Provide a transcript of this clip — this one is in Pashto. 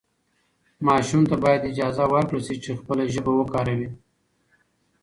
ماشوم ته باید اجازه ورکړل شي چې خپله ژبه وکاروي.